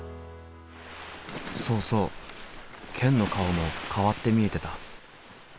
そうそうケンの顔も変わって見えてた。